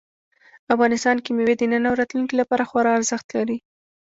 افغانستان کې مېوې د نن او راتلونکي لپاره خورا ارزښت لري.